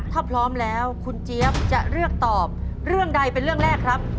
ถ้าพร้อมแล้วคุณเจี๊ยบจะเลือกตอบเรื่องใดเป็นเรื่องแรกครับ